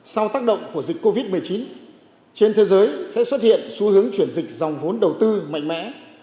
sau tác động của dịch covid một mươi chín trên thế giới sẽ xuất hiện xu hướng chuyển dịch dòng vốn đầu tư mạnh mẽ